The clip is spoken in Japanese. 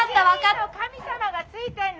「七人の神様が付いてんの！」。